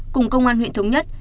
cùng công an huyện thống nhất